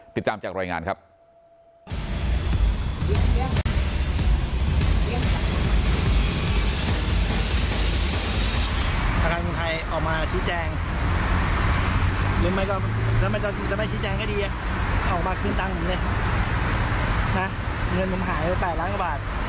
ติดตามจากรายงานครับ